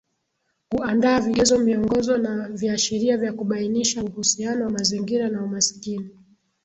Kuandaa vigezo miongozo na viashiria vya kubainisha uhusiano wa mazingira na umaskini